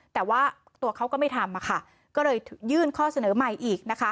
แต่ว่าตัวเขาก็ไม่ทำก็เลยยื่นข้อเสนอใหม่อีกนะคะ